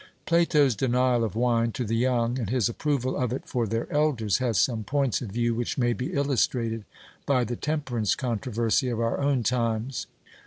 Plato's denial of wine to the young and his approval of it for their elders has some points of view which may be illustrated by the temperance controversy of our own times.